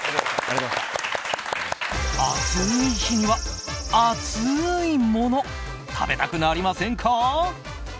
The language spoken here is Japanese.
暑い日には熱いもの食べたくなりませんか？